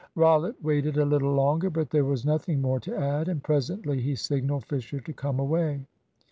Rollitt waited a little longer, but there was nothing more to add; and presently he signalled Fisher to come away.